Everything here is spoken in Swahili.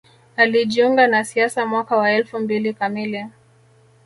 Alijiunga na siasa mwaka wa elfu mbili kamili